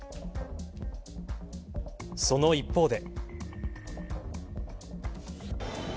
その一方で。